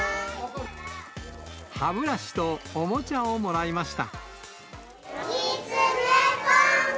歯ブラシとおもちゃをもらいました。